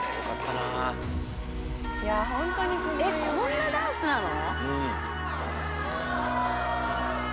こんなダンスなの⁉